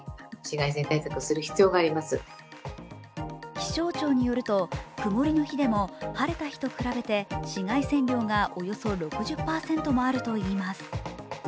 気象庁によると曇りの日でも晴れた日と比べて紫外線量がおよそ６０％もあるといいます。